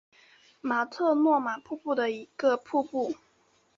马特诺玛瀑布的一个瀑布。